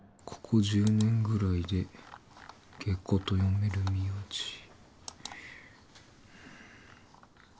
ここ１０年ぐらいでゲコと読める名字。